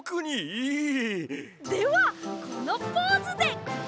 ではこのポーズで！